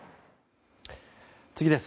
次です。